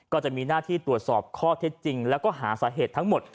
ก็จะมีหน้าที่ตรวจสอบข้อเท็จจริงแล้วก็หาสาเหตุทั้งหมด